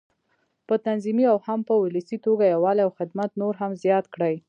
په تنظيمي او هم په ولسي توګه یووالی او خدمت نور هم زیات کړي.